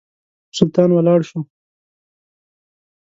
سلطان ولاړ شو.